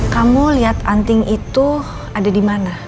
kamu lihat anting itu ada di mana